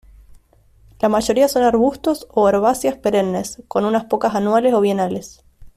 La mayoría son arbustos o herbáceas perennes, con unas pocas anuales o bienales.